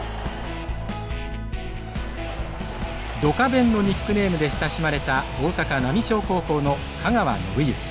ドカベンのニックネームで親しまれた大阪浪商高校の香川伸行。